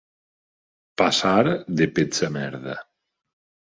Passar de pets a merda.